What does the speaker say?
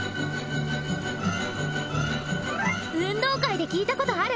運動会で聴いたことある！